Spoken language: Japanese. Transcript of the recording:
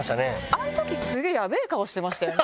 あのとき、すげーやべー顔してましたよね。